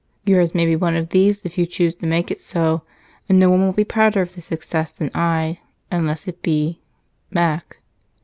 Yours may be one of these if you choose to make it so, and no one will be prouder of this success than I, unless it be Mac."